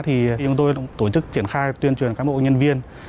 thì chúng tôi tổ chức triển khai tuyên truyền cán bộ nhân viên